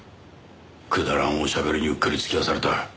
くだらんお喋りにうっかり付き合わされた。